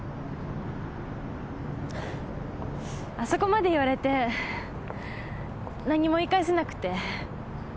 あそこまで言われて何にも言い返せなくて。